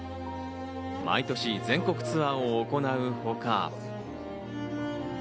毎年全国ツアーを行うほか。